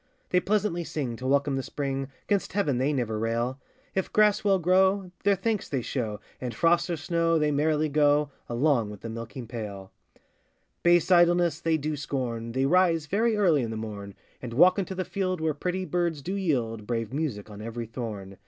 They pleasantly sing to welcome the spring, 'Gainst heaven they never rail; If grass well grow, their thanks they show, And, frost or snow, they merrily go Along with the milking pail: Base idleness they do scorn, They rise very early i' th' morn, And walk into the field, where pretty birds do yield Brave music on every thorn.